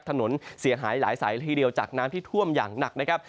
ถนนเสียหายหลายสายละทีเดียวจากน้ำที่ท่วมอย่างหนักนะครับ